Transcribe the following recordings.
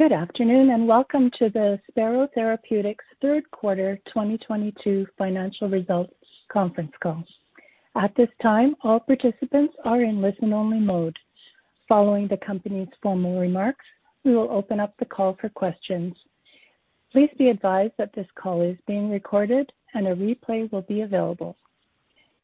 Good afternoon, and welcome to the Spero Therapeutics third quarter 2022 financial results conference call. At this time, all participants are in listen-only mode. Following the company's formal remarks, we will open up the call for questions. Please be advised that this call is being recorded and a replay will be available.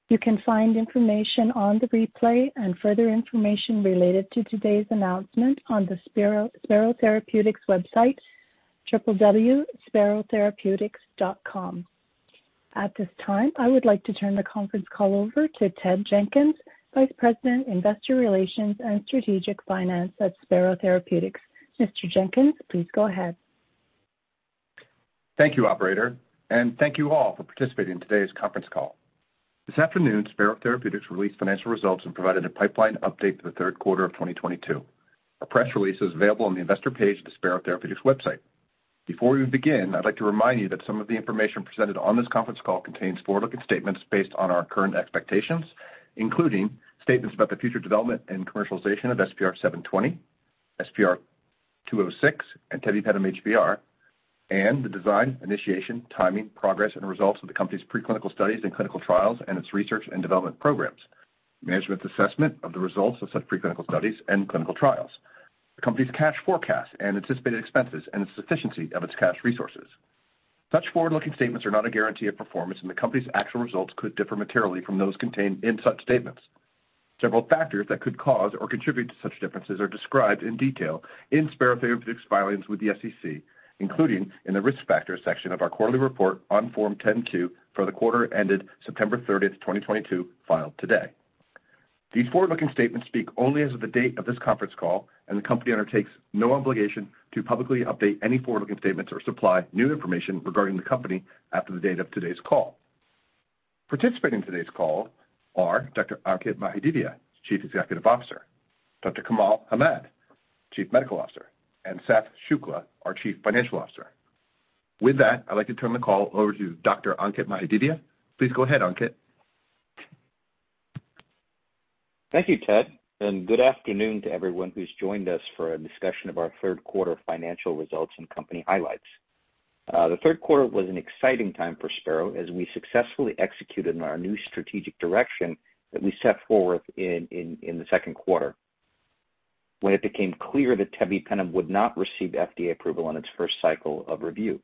You can find information on the replay and further information related to today's announcement on the Spero Therapeutics website, www.sperotherapeutics.com. At this time, I would like to turn the conference call over to Ted Jenkins, Vice President, investor relations and strategic finance at Spero Therapeutics. Mr. Jenkins, please go ahead. Thank you, operator, and thank you all for participating in today's conference call. This afternoon, Spero Therapeutics released financial results and provided a pipeline update for the third quarter of 2022. A press release is available on the investor page of the Spero Therapeutics website. Before we begin, I'd like to remind you that some of the information presented on this conference call contains forward-looking statements based on our current expectations, including statements about the future development and commercialization of SPR720, SPR206, and tebipenem HBr, and the design, initiation, timing, progress and results of the company's pre-clinical studies and clinical trials and its research and development programs, management's assessment of the results of such pre-clinical studies and clinical trials, the company's cash forecast and anticipated expenses, and the sufficiency of its cash resources. Such forward-looking statements are not a guarantee of performance, and the company's actual results could differ materially from those contained in such statements. Several factors that could cause or contribute to such differences are described in detail in Spero Therapeutics' filings with the SEC, including in the Risk Factors section of our quarterly report on Form 10-Q for the quarter ended September 30th, 2022, filed today. These forward-looking statements speak only as of the date of this conference call, and the company undertakes no obligation to publicly update any forward-looking statements or supply new information regarding the company after the date of today's call. Participating in today's call are Dr. Ankit Mahadevia, Chief Executive Officer, Dr. Kamal Hamed, Chief Medical Officer, and Satyavrat Shukla, our Chief Financial Officer. With that, I'd like to turn the call over to Dr. Ankit Mahadevia. Please go ahead, Ankit. Thank you, Ted, and good afternoon to everyone who's joined us for a discussion of our third quarter financial results and company highlights. The third quarter was an exciting time for Spero as we successfully executed on our new strategic direction that we set forth in the second quarter when it became clear that tebipenem would not receive FDA approval on its first cycle of review.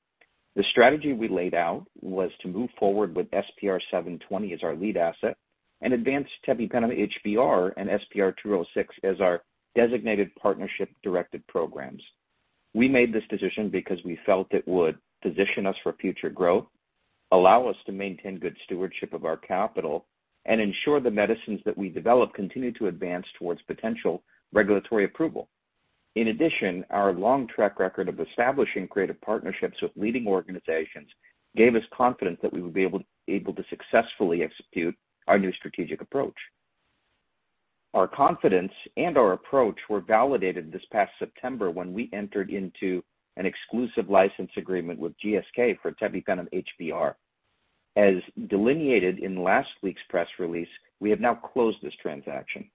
The strategy we laid out was to move forward with SPR720 as our lead asset and advance tebipenem HBr and SPR206 as our designated partnership-directed programs. We made this decision because we felt it would position us for future growth, allow us to maintain good stewardship of our capital, and ensure the medicines that we develop continue to advance towards potential regulatory approval. In addition, our long track record of establishing creative partnerships with leading organizations gave us confidence that we would be able to successfully execute our new strategic approach. Our confidence and our approach were validated this past September when we entered into an exclusive license agreement with GSK for tebipenem HBr. As delineated in last week's press release, we have now closed this transaction.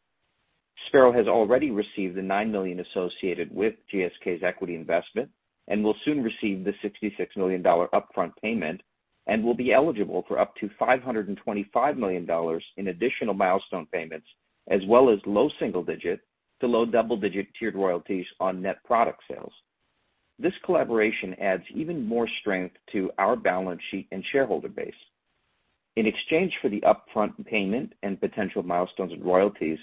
Spero has already received the $9 million associated with GSK's equity investment and will soon receive the $66 million upfront payment and will be eligible for up to $525 million in additional milestone payments as well as low single-digit to low double-digit tiered royalties on net product sales. This collaboration adds even more strength to our balance sheet and shareholder base. In exchange for the upfront payment and potential milestones and royalties,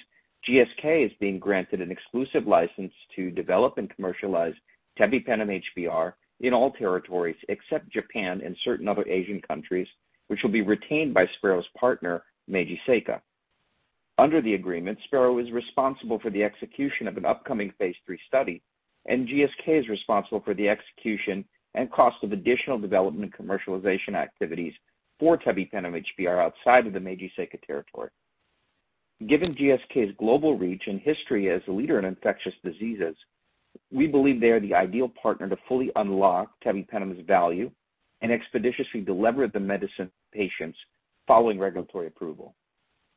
GSK is being granted an exclusive license to develop and commercialize tebipenem HBr in all territories except Japan and certain other Asian countries which will be retained by Spero's partner, Meiji Seika. Under the agreement, Spero is responsible for the execution of an upcoming phase III study, and GSK is responsible for the execution and cost of additional development and commercialization activities for tebipenem HBr outside of the Meiji Seika territory. Given GSK's global reach and history as a leader in infectious diseases, we believe they are the ideal partner to fully unlock tebipenem's value and expeditiously deliver the medicine to patients following regulatory approval.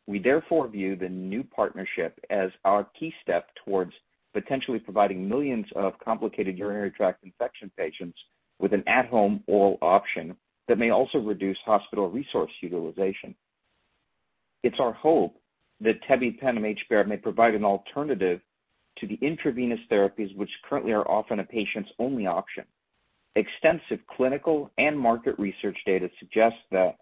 We therefore view the new partnership as our key step towards potentially providing millions of complicated urinary tract infection patients with an at-home oral option that may also reduce hospital resource utilization. It's our hope that tebipenem HBr may provide an alternative to the intravenous therapies which currently are often a patient's only option. Extensive clinical and market research data suggests that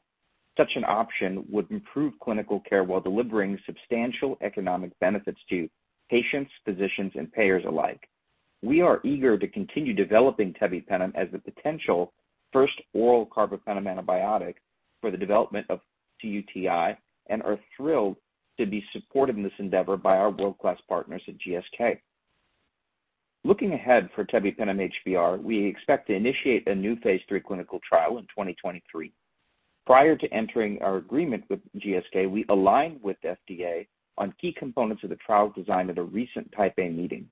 such an option would improve clinical care while delivering substantial economic benefits to patients, physicians, and payers alike. We are eager to continue developing tebipenem as the potential first oral carbapenem antibiotic for the treatment of cUTI and are thrilled to be supported in this endeavor by our world-class partners at GSK. Looking ahead for tebipenem HBr, we expect to initiate a new phase III clinical trial in 2023. Prior to entering our agreement with GSK, we aligned with the FDA on key components of the trial design at a recent Type A meeting.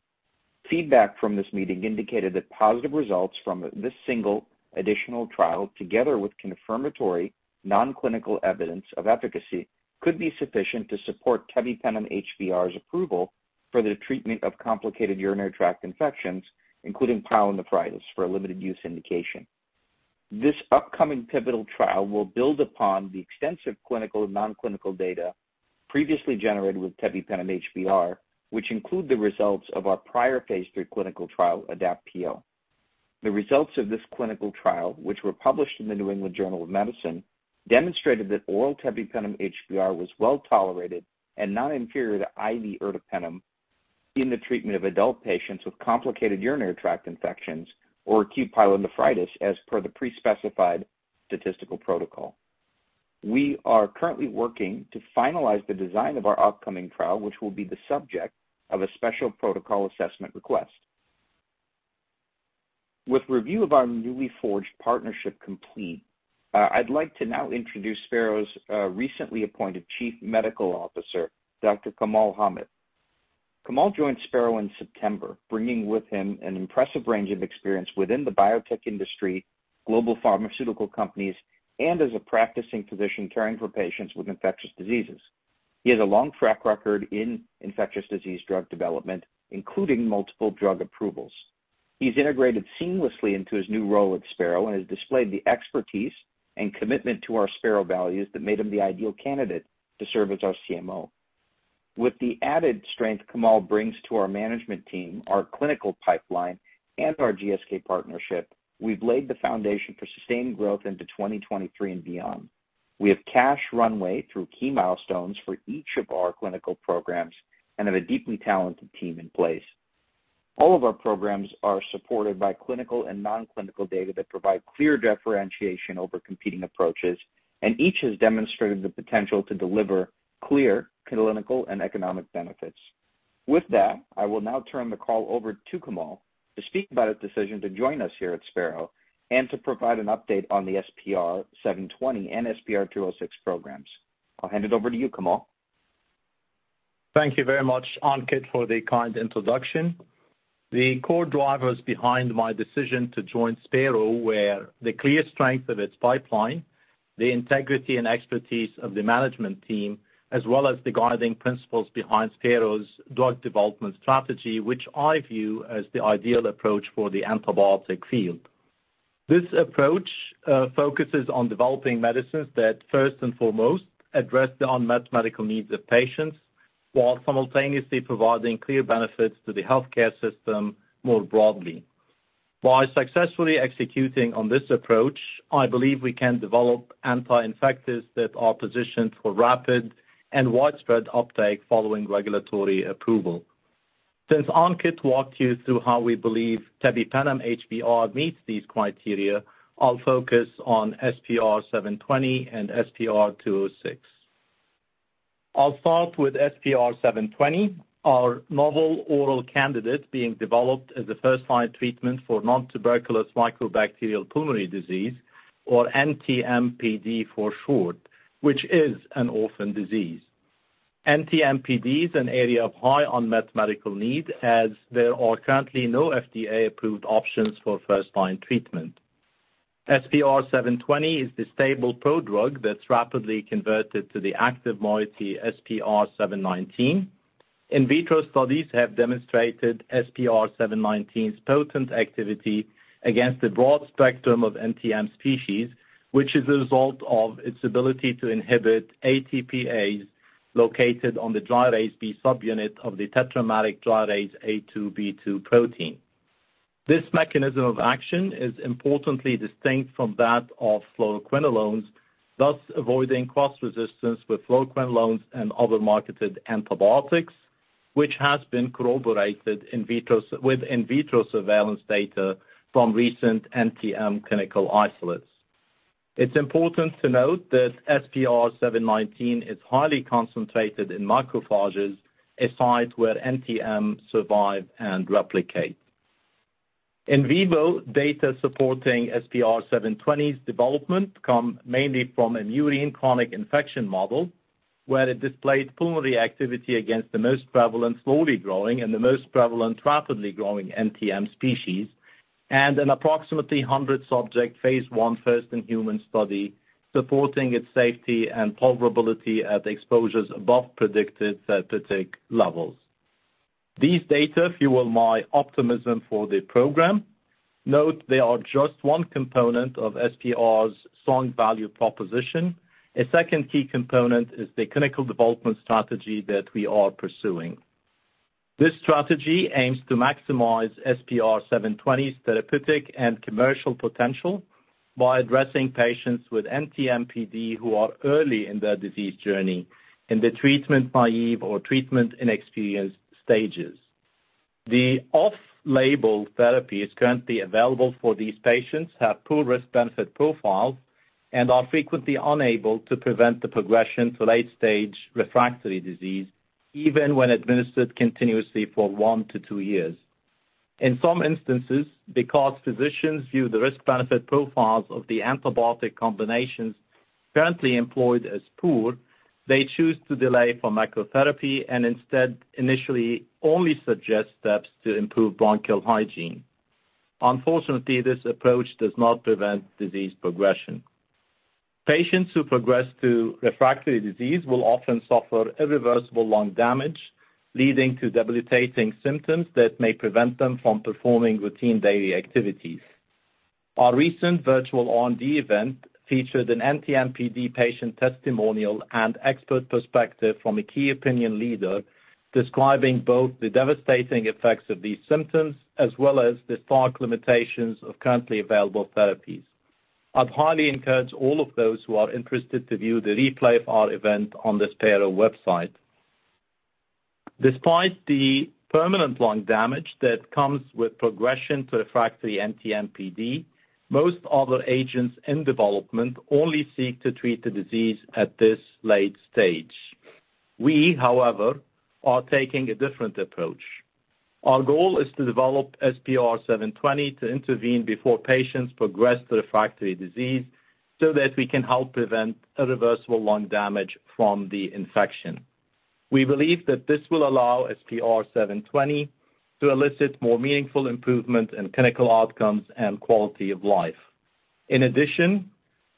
Feedback from this meeting indicated that positive results from this single additional trial, together with confirmatory non-clinical evidence of efficacy, could be sufficient to support tebipenem HBr's approval for the treatment of complicated urinary tract infections, including pyelonephritis for a limited use indication. This upcoming pivotal trial will build upon the extensive clinical and non-clinical data previously generated with tebipenem HBr, which include the results of our prior phase III clinical trial, ADAPT-PO. The results of this clinical trial, which were published in the New England Journal of Medicine, demonstrated that oral tebipenem HBr was well-tolerated and non-inferior to IV ertapenem in the treatment of adult patients with complicated urinary tract infections or acute pyelonephritis as per the pre-specified statistical protocol. We are currently working to finalize the design of our upcoming trial, which will be the subject of a special protocol assessment request. With review of our newly forged partnership complete, I'd like to now introduce Spero's recently appointed Chief Medical Officer, Dr. Kamal Hamed. Kamal joined Spero in September, bringing with him an impressive range of experience within the biotech industry, global pharmaceutical companies, and as a practicing physician caring for patients with infectious diseases. He has a long track record in infectious disease drug development, including multiple drug approvals. He's integrated seamlessly into his new role at Spero and has displayed the expertise and commitment to our Spero values that made him the ideal candidate to serve as our CMO. With the added strength Kamal brings to our management team, our clinical pipeline, and our GSK partnership, we've laid the foundation for sustained growth into 2023 and beyond. We have cash runway through key milestones for each of our clinical programs and have a deeply talented team in place. All of our programs are supported by clinical and non-clinical data that provide clear differentiation over competing approaches, and each has demonstrated the potential to deliver clear clinical and economic benefits. With that, I will now turn the call over to Kamal to speak about his decision to join us here at Spero and to provide an update on the SPR720 and SPR206 programs. I'll hand it over to you, Kamal. Thank you very much, Ankit, for the kind introduction. The core drivers behind my decision to join Spero were the clear strength of its pipeline, the integrity and expertise of the management team, as well as the guiding principles behind Spero's drug development strategy, which I view as the ideal approach for the antibiotic field. This approach focuses on developing medicines that first and foremost address the unmet medical needs of patients while simultaneously providing clear benefits to the healthcare system more broadly. By successfully executing on this approach, I believe we can develop anti-infectives that are positioned for rapid and widespread uptake following regulatory approval. Since Ankit walked you through how we believe tebipenem HBr meets these criteria, I'll focus on SPR720 and SPR206. I'll start with SPR720, our novel oral candidate being developed as a first-line treatment for Nontuberculous Mycobacterial Pulmonary Disease or NTM-PD for short, which is an orphan disease. NTM-PD is an area of high unmet medical need as there are currently no FDA-approved options for first-line treatment. SPR720 is the stable prodrug that's rapidly converted to the active moiety SPR719. In vitro studies have demonstrated SPR719's potent activity against a broad spectrum of NTM species, which is a result of its ability to inhibit ATPase located on the GyrB subunit of the tetrameric GyrA2B2 protein. This mechanism of action is importantly distinct from that of fluoroquinolones, thus avoiding cross-resistance with fluoroquinolones and other marketed antibiotics, which has been corroborated with in vitro surveillance data from recent NTM clinical isolates. It's important to note that SPR719 is highly concentrated in macrophages, a site where NTM survive and replicate. In vivo data supporting SPR720's development come mainly from a murine chronic infection model, where it displayed pulmonary activity against the most prevalent slowly growing and the most prevalent rapidly growing NTM species, and an approximately 100-subject phase I first in human study supporting its safety and tolerability at exposures above predicted therapeutic levels. These data fuel my optimism for the program. Note they are just one component of SPR's strong value proposition. A second key component is the clinical development strategy that we are pursuing. This strategy aims to maximize SPR720's therapeutic and commercial potential by addressing patients with NTM PD who are early in their disease journey in the treatment naive or treatment inexperienced stages. The off-label therapies currently available for these patients have poor risk-benefit profiles and are frequently unable to prevent the progression to late-stage refractory disease even when administered continuously for one-two years. In some instances, because physicians view the risk-benefit profiles of the antibiotic combinations currently employed as poor, they choose to delay macrolide therapy and instead initially only suggest steps to improve bronchial hygiene. Unfortunately, this approach does not prevent disease progression. Patients who progress to refractory disease will often suffer irreversible lung damage, leading to debilitating symptoms that may prevent them from performing routine daily activities. Our recent virtual R&D event featured an NTM-PD patient testimonial and expert perspective from a key opinion leader describing both the devastating effects of these symptoms, as well as the stark limitations of currently available therapies. I'd highly encourage all of those who are interested to view the replay of our event on the Spero website. Despite the permanent lung damage that comes with progression to refractory NTM-PD, most other agents in development only seek to treat the disease at this late stage. We, however, are taking a different approach. Our goal is to develop SPR720 to intervene before patients progress to refractory disease, so that we can help prevent irreversible lung damage from the infection. We believe that this will allow SPR720 to elicit more meaningful improvement in clinical outcomes and quality of life. In addition,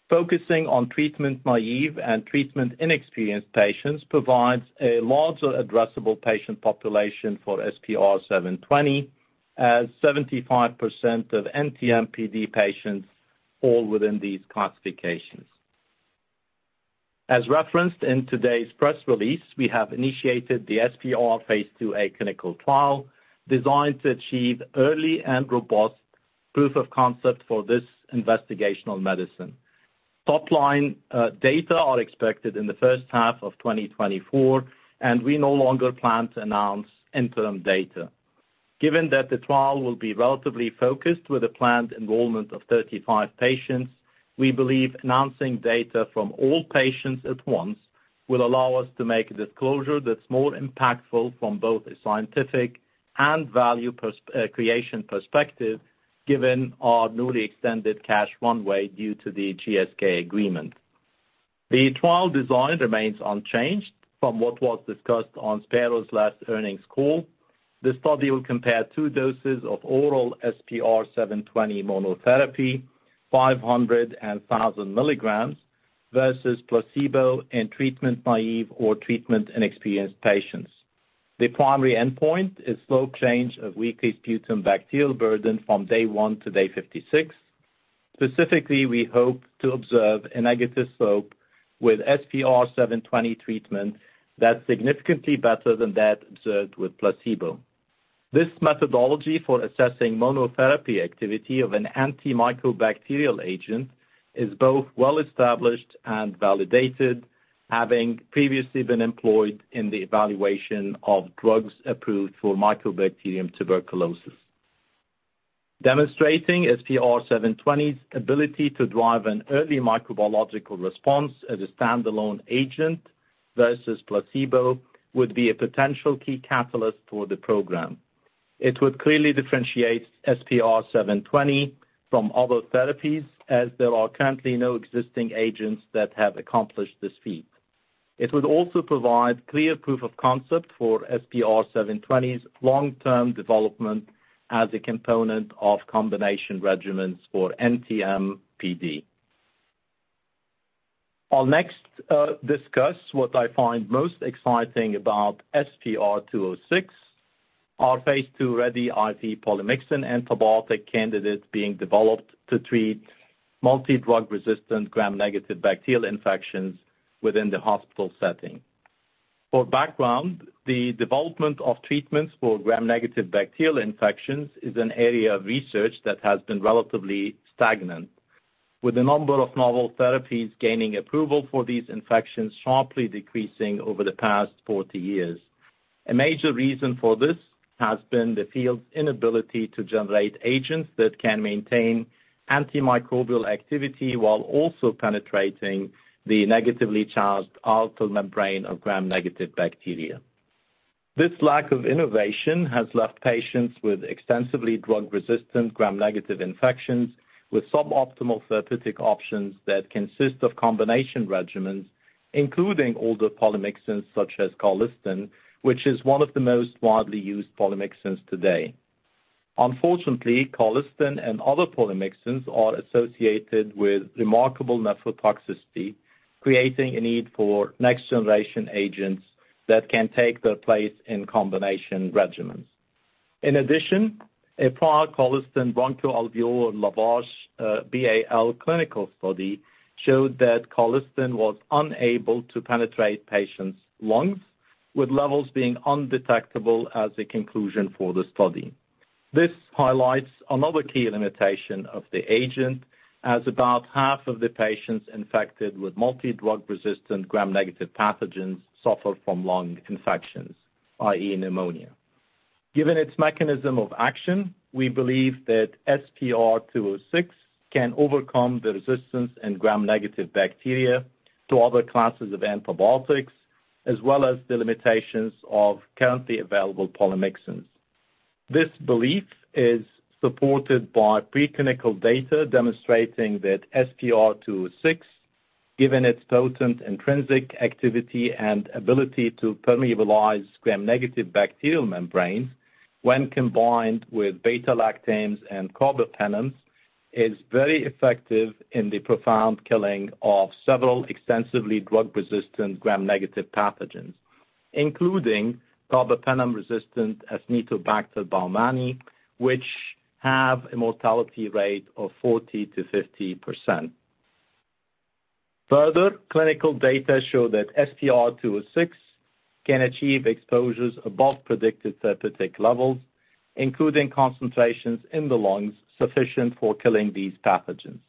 focusing on treatment-naive and treatment-inexperienced patients provides a larger addressable patient population for SPR720, as 75% of NTM-PD patients fall within these classifications. As referenced in today's press release, we have initiated the SPR720 phase II-A clinical trial designed to achieve early and robust proof of concept for this investigational medicine. Top-line data are expected in the first half of 2024, and we no longer plan to announce interim data. Given that the trial will be relatively focused with a planned enrollment of 35 patients, we believe announcing data from all patients at once will allow us to make a disclosure that's more impactful from both a scientific and value creation perspective, given our newly extended cash runway due to the GSK agreement. The trial design remains unchanged from what was discussed on Spero's last earnings call. The study will compare two doses of oral SPR720 monotherapy, 500 and 1000 mg versus placebo in treatment-naive or treatment-inexperienced patients. The primary endpoint is slope change of weekly sputum bacterial burden from day one to day 56. Specifically, we hope to observe a negative slope with SPR720 treatment that's significantly better than that observed with placebo. This methodology for assessing monotherapy activity of an anti-mycobacterial agent is both well-established and validated, having previously been employed in the evaluation of drugs approved for Mycobacterium tuberculosis. Demonstrating SPR720's ability to drive an early microbiological response as a standalone agent versus placebo would be a potential key catalyst for the program. It would clearly differentiate SPR720 from other therapies as there are currently no existing agents that have accomplished this feat. It would also provide clear proof of concept for SPR720's long-term development as a component of combination regimens for NTM-PD. I'll next discuss what I find most exciting about SPR206, our phase II-ready IV polymyxin antibiotic candidate being developed to treat multidrug-resistant Gram-negative bacterial infections within the hospital setting. For background, the development of treatments for Gram-negative bacterial infections is an area of research that has been relatively stagnant, with the number of novel therapies gaining approval for these infections sharply decreasing over the past 40 years. A major reason for this has been the field's inability to generate agents that can maintain antimicrobial activity while also penetrating the negatively charged outer membrane of Gram-negative bacteria. This lack of innovation has left patients with extensively drug-resistant Gram-negative infections with suboptimal therapeutic options that consist of combination regimens, including older polymyxins such as colistin, which is one of the most widely used polymyxins today. Unfortunately, colistin and other polymyxins are associated with remarkable nephrotoxicity, creating a need for next-generation agents that can take their place in combination regimens. In addition, a prior colistin bronchoalveolar lavage, BAL clinical study showed that colistin was unable to penetrate patients' lungs, with levels being undetectable as a conclusion for the study. This highlights another key limitation of the agent, as about half of the patients infected with multidrug-resistant Gram-negative pathogens suffer from lung infections, i.e., pneumonia. Given its mechanism of action, we believe that SPR206 can overcome the resistance in Gram-negative bacteria to other classes of antibiotics, as well as the limitations of currently available polymyxins. This belief is supported by preclinical data demonstrating that SPR206, given its potent intrinsic activity and ability to permeabilize Gram-negative bacterial membranes when combined with beta-lactams and carbapenems, is very effective in the profound killing of several extensively drug-resistant Gram-negative pathogens. Including carbapenem-resistant Acinetobacter baumannii, which have a mortality rate of 40%-50%. Further clinical data show that SPR206 can achieve exposures above predicted therapeutic levels, including concentrations in the lungs sufficient for killing these pathogens.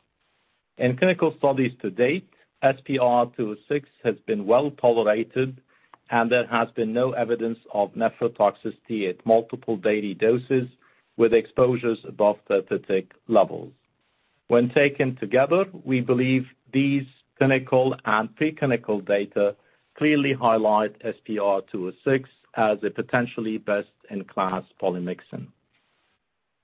In clinical studies to date, SPR206 has been well-tolerated, and there has been no evidence of nephrotoxicity at multiple daily doses with exposures above therapeutic levels. When taken together, we believe these clinical and preclinical data clearly highlight SPR206 as a potentially best-in-class polymyxin.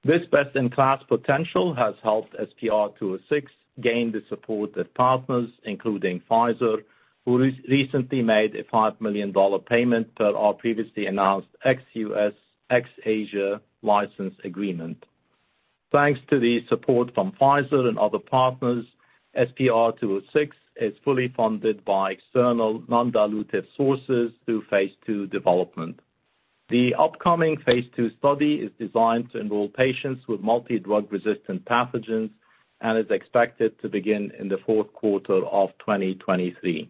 This best-in-class potential has helped SPR206 gain the support of partners, including Pfizer, who recently made a $5 million payment per our previously announced ex-U.S., ex-Asia license agreement. Thanks to the support from Pfizer and other partners, SPR 206 is fully funded by external non-dilutive sources through phase II development. The upcoming phase II study is designed to enroll patients with multi-drug resistant pathogens and is expected to begin in the fourth quarter of 2023.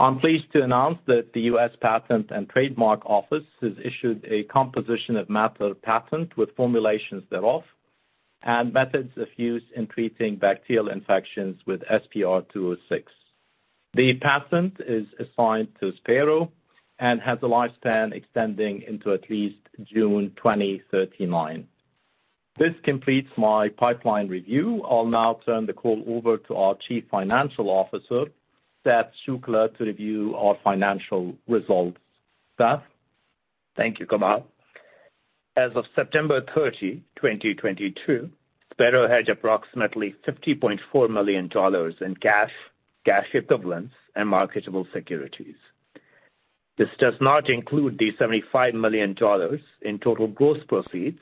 I'm pleased to announce that the U.S. Patent and Trademark Office has issued a composition of matter patent with formulations thereof and methods of use in treating bacterial infections with SPR 206. The patent is assigned to Spero and has a lifespan extending into at least June 2039. This completes my pipeline review. I'll now turn the call over to our Chief Financial Officer, Satyavrat Shukla, to review our financial results. Sath? Thank you, Kamal. As of September 30, 2022, Spero had approximately $50.4 million in cash equivalents, and marketable securities. This does not include the $75 million in total gross proceeds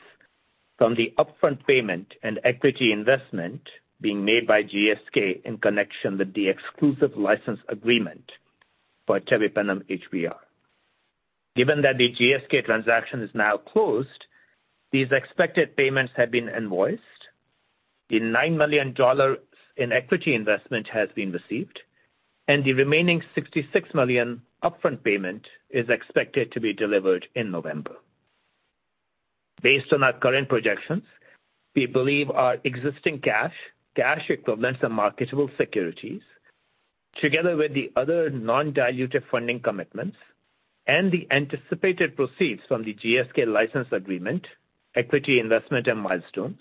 from the upfront payment and equity investment being made by GSK in connection with the exclusive license agreement for tebipenem HBr. Given that the GSK transaction is now closed, these expected payments have been invoiced. The $9 million in equity investment has been received, and the remaining $66 million upfront payment is expected to be delivered in November. Based on our current projections, we believe our existing cash equivalents, and marketable securities, together with the other non-dilutive funding commitments and the anticipated proceeds from the GSK license agreement, equity investment, and milestones,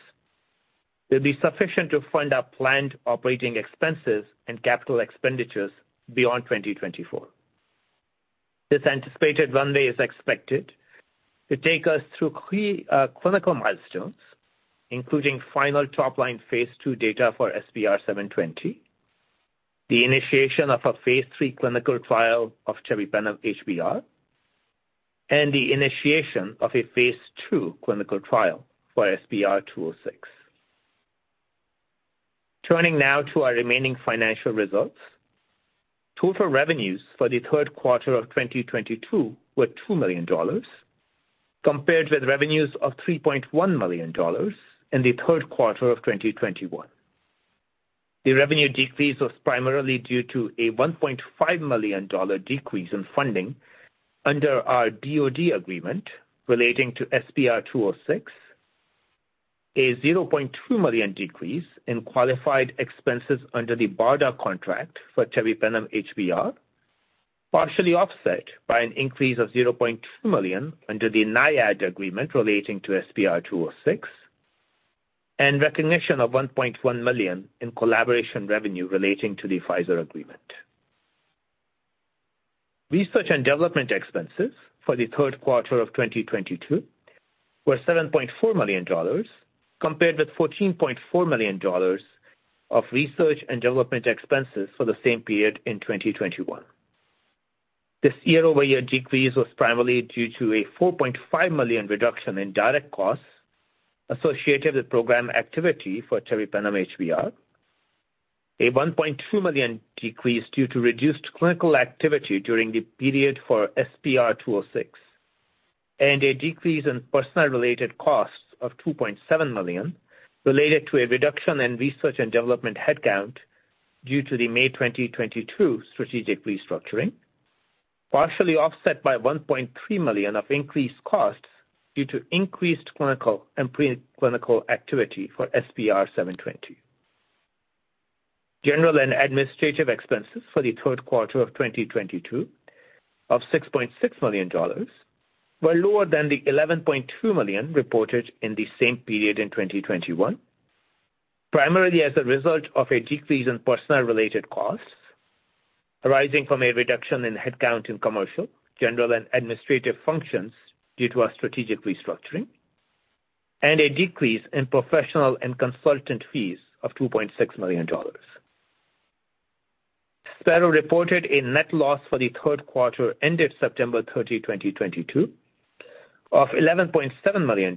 will be sufficient to fund our planned operating expenses and capital expenditures beyond 2024. This anticipated runway is expected to take us through clinical milestones, including final top-line phase II data for SPR720, the initiation of a phase three clinical trial of tebipenem HBr, and the initiation of a phase II clinical trial for SPR206. Turning now to our remaining financial results. Total revenues for the third quarter of 2022 were $2 million, compared with revenues of $3.1 million in the third quarter of 2021. The revenue decrease was primarily due to a $1.5 million decrease in funding under our DoD agreement relating to SPR206. A $0.2 million decrease in qualified expenses under the BARDA contract for tebipenem HBr, partially offset by an increase of $0.2 million under the NIAID agreement relating to SPR206, and recognition of $1.1 million in collaboration revenue relating to the Pfizer agreement. Research and development expenses for the third quarter of 2022 were $7.4 million, compared with $14.4 million of research and development expenses for the same period in 2021. This year-over-year decrease was primarily due to a $4.5 million reduction in direct costs associated with program activity for tebipenem HBr. A $1.2 million decrease due to reduced clinical activity during the period for SPR206, and a decrease in personnel-related costs of $2.7 million related to a reduction in research and development headcount due to the May 2022 strategic restructuring, partially offset by $1.3 million of increased costs due to increased clinical and pre-clinical activity for SPR720. General and administrative expenses for the third quarter of 2022 of $6.6 million were lower than the $11.2 million reported in the same period in 2021, primarily as a result of a decrease in personnel-related costs arising from a reduction in headcount in commercial, general and administrative functions due to our strategic restructuring, and a decrease in professional and consultant fees of $2.6 million. Spero reported a net loss for the third quarter ended September 30, 2022. Of $11.7 million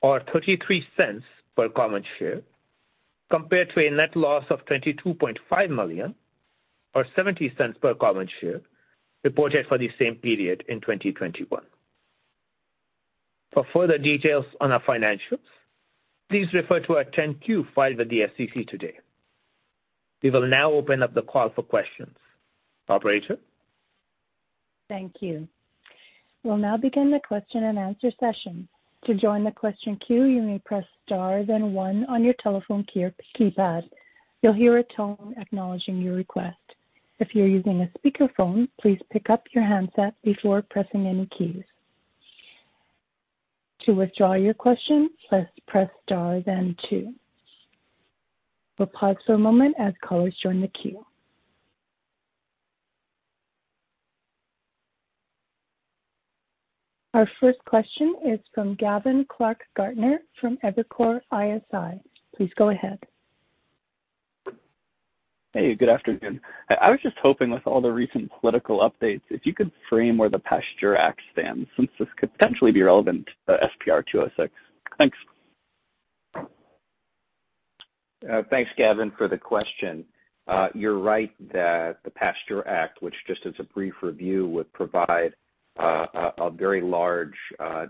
or $0.33 per common share compared to a net loss of $22.5 million or $0.70 per common share reported for the same period in 2021. For further details on our financials, please refer to our 10-Q filed with the SEC today. We will now open up the call for questions. Operator? Thank you. We'll now begin the question-and-answer session. To join the question queue, you may press star then one on your telephone keypad. You'll hear a tone acknowledging your request. If you're using a speakerphone, please pick up your handset before pressing any keys. To withdraw your question, press star then two. We'll pause for a moment as callers join the queue. Our first question is from Gavin Clark-Gartner from Evercore ISI. Please go ahead. Hey, good afternoon. I was just hoping with all the recent political updates, if you could frame where the PASTEUR Act stands, since this could potentially be relevant to SPR206. Thanks. Thanks, Gavin, for the question. You're right that the PASTEUR Act, which just as a brief review, would provide a very large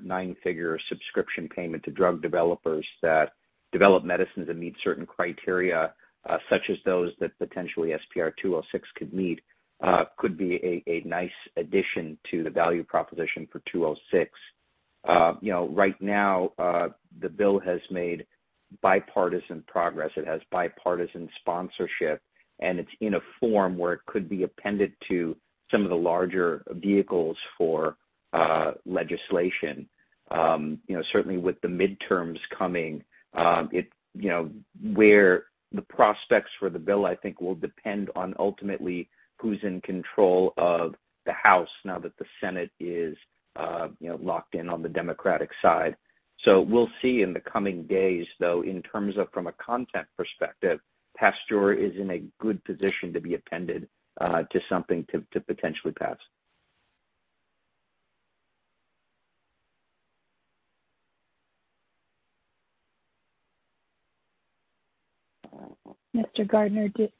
nine-figure subscription payment to drug developers that develop medicines that meet certain criteria, such as those that potentially SPR206 could meet, could be a nice addition to the value proposition for 206. You know, right now, the bill has made bipartisan progress. It has bipartisan sponsorship, and it's in a form where it could be appended to some of the larger vehicles for legislation. You know, certainly with the midterms coming, where the prospects for the bill, I think, will depend on ultimately who's in control of the House now that the Senate is you know locked in on the Democratic side. We'll see in the coming days, though, in terms of from a content perspective, PASTEUR is in a good position to be appended to something to potentially pass. Mr.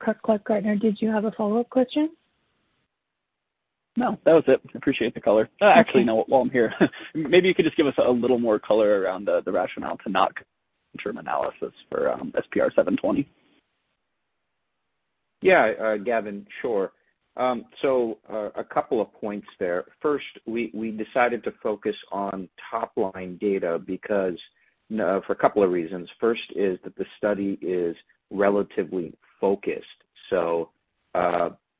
Clark-Gartner, did you have a follow-up question? No, that was it. Appreciate the color. Actually, no, while I'm here, maybe you could just give us a little more color around the rationale to not interim analysis for SPR720. Yeah, Gavin, sure. A couple of points there. First, we decided to focus on top-line data because for a couple of reasons. First is that the study is relatively focused, so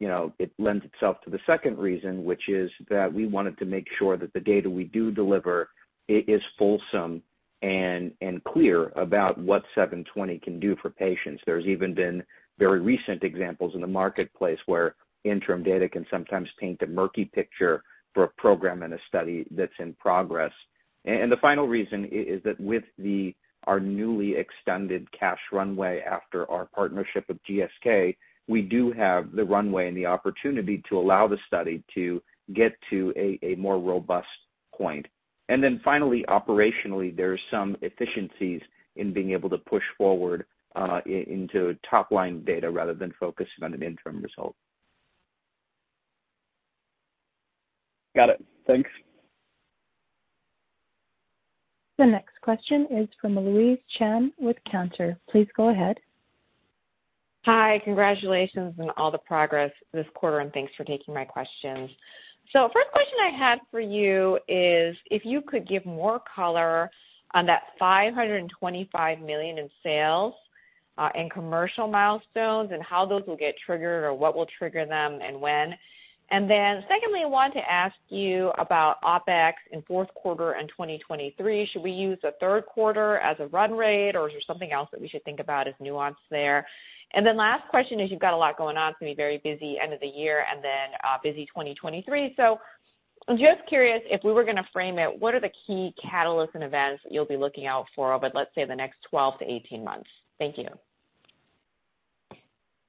you know, it lends itself to the second reason, which is that we wanted to make sure that the data we do deliver is fulsome and clear about what seven twenty can do for patients. There's even been very recent examples in the marketplace where interim data can sometimes paint a murky picture for a program and a study that's in progress. The final reason is that with our newly extended cash runway after our partnership with GSK, we do have the runway and the opportunity to allow the study to get to a more robust point. Finally, operationally, there's some efficiencies in being able to push forward into top-line data rather than focusing on an interim result. Got it. Thanks. The next question is from Louise Chen with Cantor. Please go ahead. Hi. Congratulations on all the progress this quarter, and thanks for taking my questions. First question I had for you is if you could give more color on that $525 million in sales, and commercial milestones, and how those will get triggered or what will trigger them and when. Secondly, I wanted to ask you about OpEx in fourth quarter and 2023. Should we use the third quarter as a run rate, or is there something else that we should think about as nuance there? Last question is you've got a lot going on, it's gonna be a very busy end of the year and then a busy 2023. I'm just curious if we were gonna frame it, what are the key catalysts and events that you'll be looking out for over, let's say, the next 12-18 months? Thank you.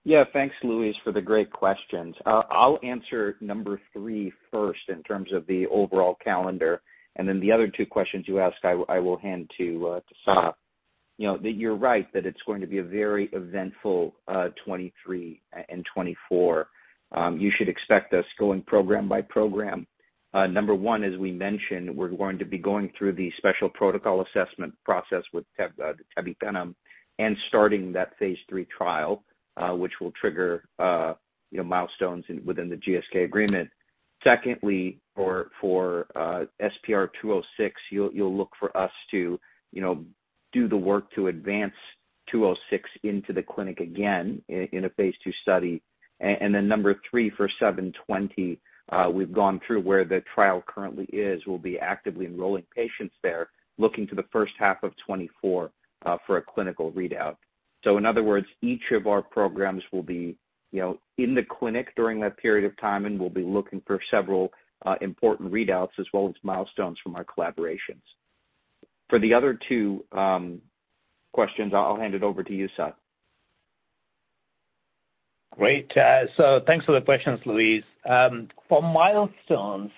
Yeah. Thanks, Louise, for the great questions. I'll answer number three first in terms of the overall calendar, and then the other two questions you asked I will hand to Sath. You know, that you're right that it's going to be a very eventful 2023 and 2024. You should expect us going program by program. Number one, as we mentioned, we're going to be going through the special protocol assessment process with the tebipenem and starting that phase III trial, which will trigger milestones within the GSK agreement. Secondly, for SPR-206, you'll look for us to do the work to advance 206 into the clinic again in a phase II study. And then number three, for 720, we've gone through where the trial currently is. We'll be actively enrolling patients there, looking to the first half of 2024 for a clinical readout. In other words, each of our programs will be, you know, in the clinic during that period of time, and we'll be looking for several important readouts as well as milestones from our collaborations. For the other two questions, I'll hand it over to you, Sath. Great. Thanks for the questions, Louise. For milestones,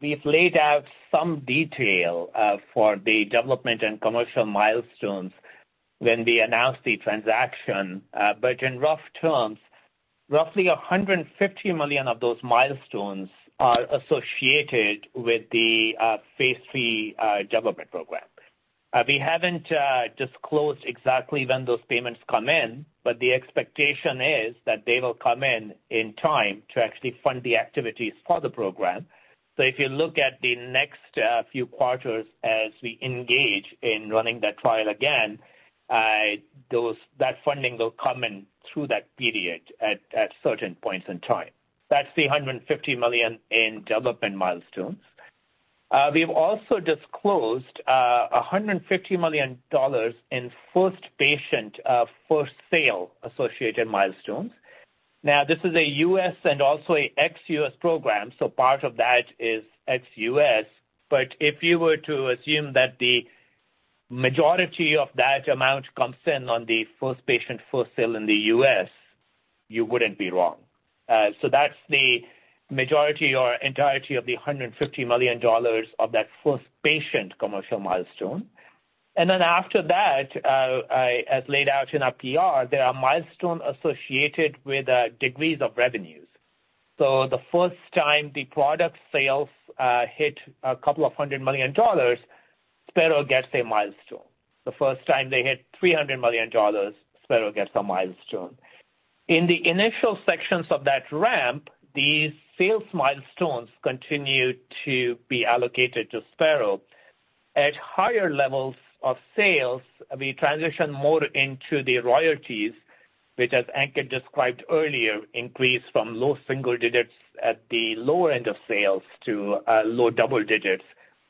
we've laid out some detail for the development and commercial milestones when we announced the transaction. In rough terms, roughly $150 million of those milestones are associated with the phase III development program. We haven't disclosed exactly when those payments come in, but the expectation is that they will come in in time to actually fund the activities for the program. If you look at the next few quarters as we engage in running that trial again, that funding will come in through that period at certain points in time. That's the $150 million in development milestones. We've also disclosed a $150 million in first patient, first sale associated milestones. Now, this is a U.S. and also ex-U.S. program, so part of that is ex-U.S. If you were to assume that the majority of that amount comes in on the first patient, first sale in the U.S., you wouldn't be wrong. That's the majority or entirety of the $150 million of that first patient commercial milestone. After that, as laid out in our PR, there are milestones associated with degrees of revenues. The first time the product sales hit a couple of $100 million, Spero gets a milestone. The first time they hit $300 million, Spero gets a milestone. In the initial sections of that ramp, these sales milestones continue to be allocated to Spero. At higher levels of sales, we transition more into the royalties, which as Ankit described earlier, increase from low single digits at the lower end of sales to low double digits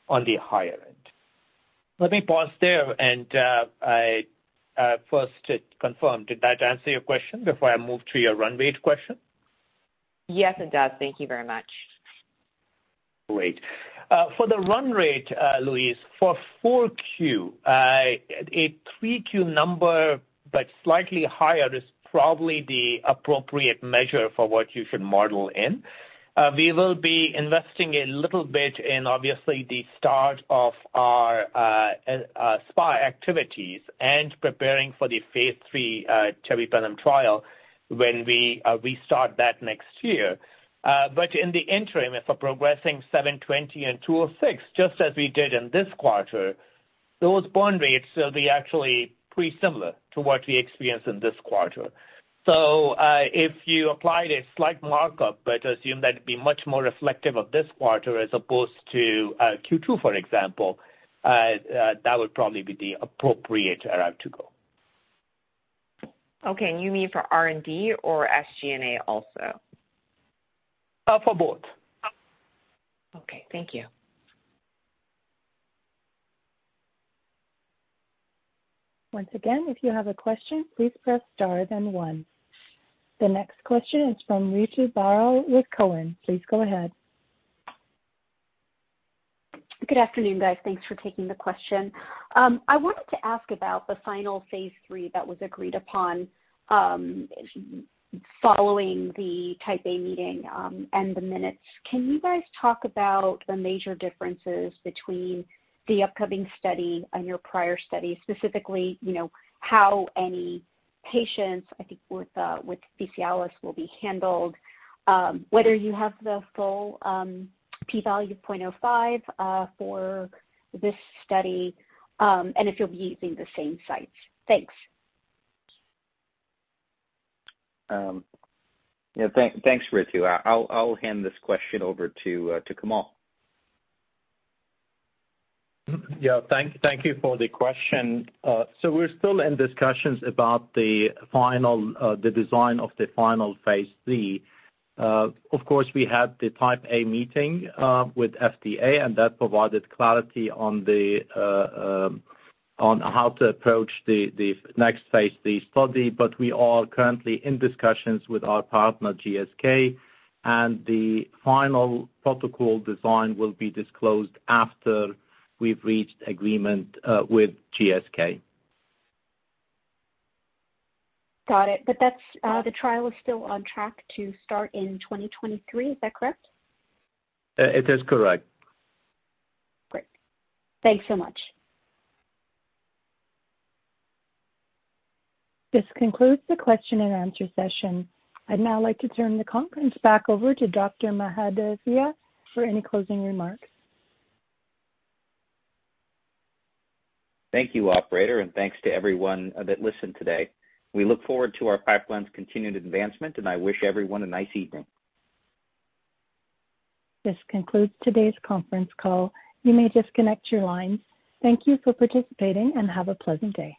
on the higher end. Let me pause there, and I first to confirm, did that answer your question before I move to your run rate question? Yes, it does. Thank you very much. Great. For the run rate, Louise, for 4Q, a 3Q number, but slightly higher is probably the appropriate measure for what you should model in. We will be investing a little bit in obviously the start of our SPA activities and preparing for the phase III tebipenem trial when we start that next year. But in the interim, if we're progressing SPR720 and SPR206, just as we did in this quarter, those burn rates will be actually pretty similar to what we experienced in this quarter. If you applied a slight markup, but assume that it'd be much more reflective of this quarter as opposed to Q2, for example, that would probably be the appropriate way to go. Okay. You mean for R&D or SG&A also? For both. Okay. Thank you. Once again, if you have a question, please press star then one. The next question is from Ritu Baral with Cowen. Please go ahead. Good afternoon, guys. Thanks for taking the question. I wanted to ask about the final phase III that was agreed upon, following the Type A meeting, and the minutes. Can you guys talk about the major differences between the upcoming study and your prior study, specifically, you know, how any patients, I think, with cUTIs will be handled, whether you have the full p-value 0.05 for this study, and if you'll be using the same sites? Thanks. Yeah, thanks, Ritu. I'll hand this question over to Kamal. Yeah. Thank you for the question. So we're still in discussions about the design of the final phase III. Of course, we had the Type A meeting with FDA, and that provided clarity on how to approach the next phase III study. We are currently in discussions with our partner, GSK, and the final protocol design will be disclosed after we've reached agreement with GSK. Got it. The trial is still on track to start in 2023. Is that correct? It is correct. Great. Thanks so much. This concludes the question and answer session. I'd now like to turn the conference back over to Dr. Mahadevia for any closing remarks. Thank you, operator, and thanks to everyone that listened today. We look forward to our pipeline's continued advancement, and I wish everyone a nice evening. This concludes today's conference call. You may disconnect your lines. Thank you for participating and have a pleasant day.